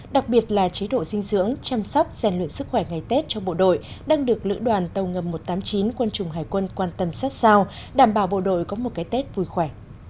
đặc biệt là chế độ dinh dưỡng chăm sóc rèn luyện sức khỏe ngày tết cho bộ đội đang được lữ đoàn tàu ngầm một trăm tám mươi chín quân chủng hải quân quan tâm sát sao đảm bảo bộ đội có một cái tết vui khỏe